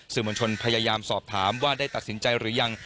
มวลชนพยายามสอบถามว่าได้ตัดสินใจหรือยัง